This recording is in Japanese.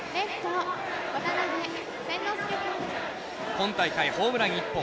今大会、ホームラン１本。